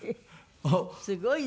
すごい！